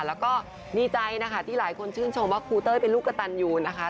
แล้วก็ดีใจนะคะที่หลายคนชื่นชมว่าครูเต้ยเป็นลูกกระตันยูนะคะ